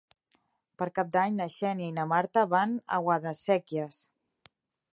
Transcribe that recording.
Per Cap d'Any na Xènia i na Marta van a Guadasséquies.